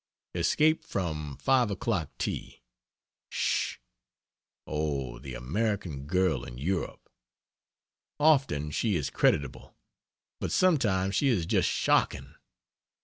(Escaped from) 5 o'clock tea ['sh!) Oh, the American girl in Europe! Often she is creditable, but sometimes she is just shocking.